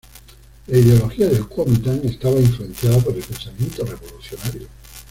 La ideología del Kuomintang estaba influenciada por el pensamiento revolucionario.